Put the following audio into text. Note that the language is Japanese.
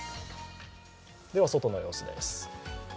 外の様子です。